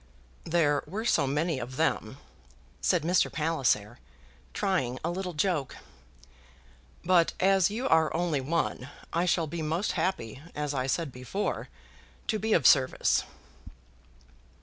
"There were so many of them," said Mr. Palliser, trying a little joke. "But as you are only one I shall be most happy, as I said before, to be of service."